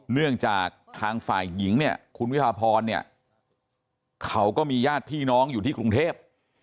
เนื่องจากทางฝ่ายหญิงเนี่ยคุณวิพาพรเนี่ยเขาก็มีญาติพี่น้องอยู่ที่กรุงเทพ